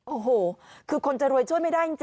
โอ้โหคือคนจะรวยช่วยไม่ได้จริง